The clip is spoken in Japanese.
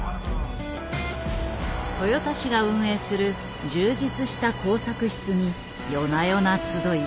豊田市が運営する充実した工作室に夜な夜な集い